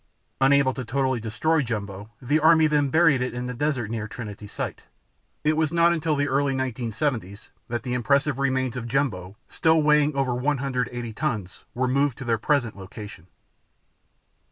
Unable to totally destroy Jumbo, the Army then buried it in the desert near Trinity Site. It was not until the early 1970s that the impressive remains of Jumbo, still weighing over 180 tons, were moved to their present location.